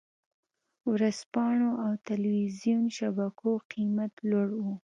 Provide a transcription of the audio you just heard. ورځپاڼو او ټلویزیون شبکو قېمت لوړ و.